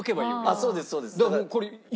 そうですそうです。